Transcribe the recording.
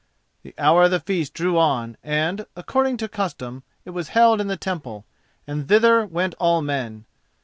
The hour of the feast drew on and, according to custom, it was held in the Temple, and thither went all men.